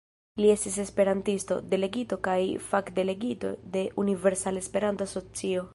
Li estis esperantisto, delegito kaj fakdelegito de Universala Esperanto-Asocio.